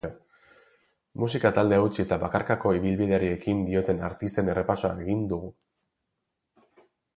Musika taldea utzi eta bakarkako ibilbideari ekin dioten artisten errepasoa egin dugu.